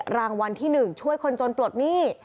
รางวัลที่๑ช่วยคนจนปลดหนี้